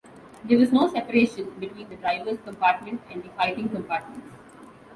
There was no separation between the driver's compartment and the fighting compartments.